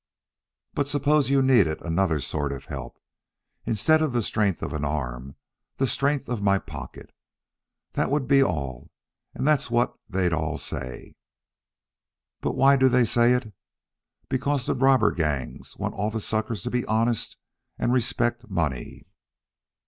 But suppose you needed another sort of help instead of the strength of arm, the strength of my pocket? That would be all and that's what they all say. But why do they say it. Because the robber gangs want all the suckers to be honest and respect money.